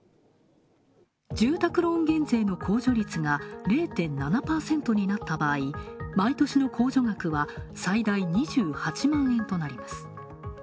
住宅ローン減税の控除率が０．７％になった場合毎年の控除額は最大２８万円となります。